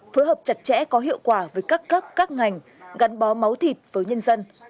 phối hợp chặt chẽ có hiệu quả với các cấp các ngành gắn bó máu thịt với nhân dân